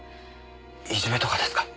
いじめとかですか？